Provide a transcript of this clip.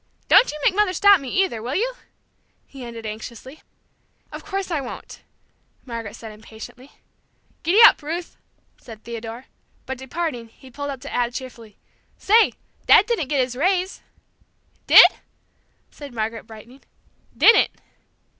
Don't you make Mother stop me, either, will you?" he ended anxiously. "Of course I won't!" Margaret said impatiently. "Giddap, Ruth!" said Theodore; but departing, he pulled up to add cheerfully, "Say, Dad didn't get his raise." "Did?" said Margaret, brightening. "Didn't!"